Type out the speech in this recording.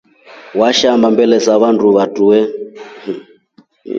Waishamba mbele ya vandu vatrue.